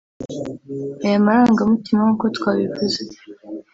Aya marangamutima nk’uko twabivuze